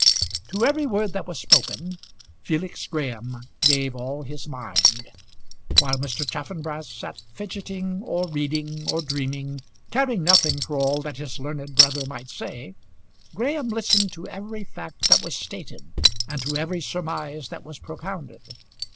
To every word that was spoken Felix Graham gave all his mind. While Mr. Chaffanbrass sat fidgeting, or reading, or dreaming, caring nothing for all that his learned brother might say, Graham listened to every fact that was stated, and to every surmise that was propounded.